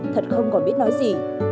thật không còn biết nói gì